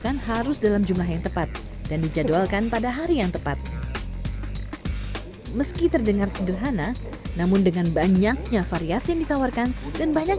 kalau mungkin setelah institusi yg tak waktu lagi baru habis terus kita mulai rencananya